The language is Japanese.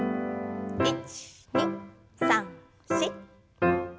１２３４。